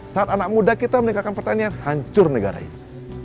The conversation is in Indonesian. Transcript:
saat anak muda kita meninggalkan pertanian hancur negara itu